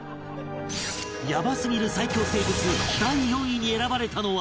ヤバすぎる最恐生物第４位に選ばれたのは